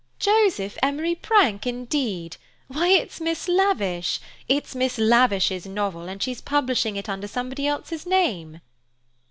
"'Joseph Emery Prank' indeed! Why it's Miss Lavish! It's Miss Lavish's novel, and she's publishing it under somebody else's name."